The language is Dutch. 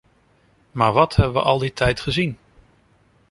Maar wat hebben we al die tijd gezien?